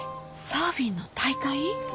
サーフィンの大会？